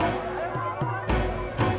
nantuk cukup kan